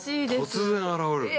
◆突然現れるから。